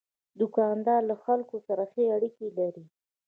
دوکاندار له خلکو سره ښې اړیکې لري.